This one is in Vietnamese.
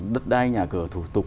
đất đai nhà cửa thủ tục